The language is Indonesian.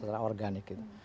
secara organik gitu